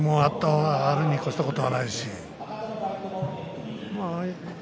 攻防があるに越したことはないし。